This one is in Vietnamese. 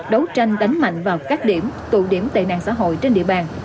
đấu tranh đánh mạnh vào các điểm tụ điểm tệ nạn xã hội trên địa bàn